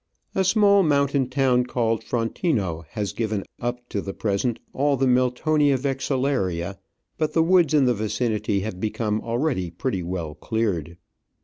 A small mountain town, called Frontino, has given, up to the present, all the Miltonia vexillaria\ but the woods in the vicinity have become already pretty well cleared.